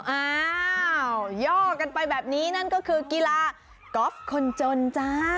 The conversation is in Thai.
อ้าวย่อกันไปแบบนี้นั่นก็คือกีฬากอล์ฟคนจนจ้า